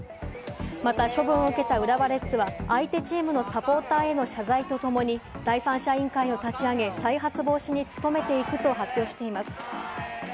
また、処分を受けた浦和レッズは、相手チームサポーターへの謝罪とともに、第三者委員会を立ち上げ、再発防止に努めていくと発表しています。